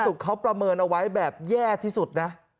ทางกระทรวงสรรค์ไว้แบบแย่ที่สุดนะ